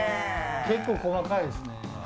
結構細かいですね。